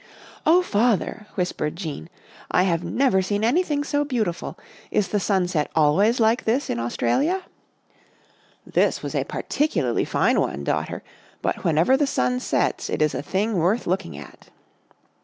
" Oh, Father," whispered Jean, " I have never seen anything so beautiful! Is the sunset always like this in Australia ?"" This was a particularly fine one, daughter, but whenever the sun sets it is a thing worth looking at."